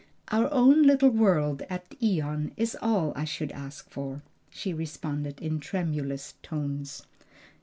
"Our own little world at Ion is all I should ask for," she responded in tremulous tones.